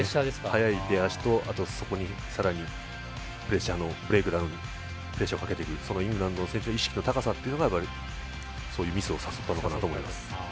早い出足と、そこにさらにプレッシャーのブレイクダウンプレッシャーをかけてくるイングランドの選手の意識の高さがそういうミスを誘ったのかなと思います。